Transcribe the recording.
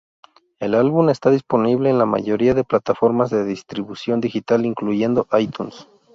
El álbum está disponible en la mayoría de plataformas de distribución digital incluyendo iTunes.